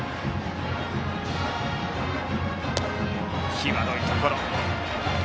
際どいところ。